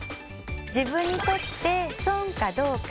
自分にとって損かどうか。